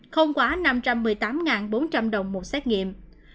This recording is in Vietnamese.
không quá năm trăm một mươi tám bốn trăm linh đồng một xét nghiệm